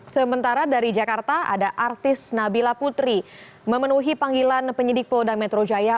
sementara dari jakarta ada artis nabila putri memenuhi panggilan penyidik polda metro jaya